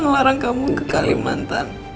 ngelarang kamu ke kelimantan